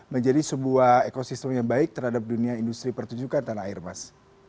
menjadi sebuah ekosistem yang baik terhadap dunia industri pertunjukan tanah air mas